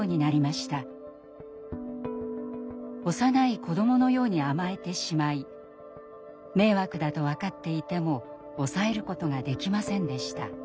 幼い子どものように甘えてしまい迷惑だと分かっていても抑えることができませんでした。